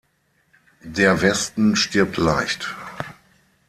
Der Westen stirbt leicht.